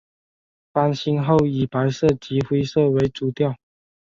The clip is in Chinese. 翻新后以白色及灰色为主调。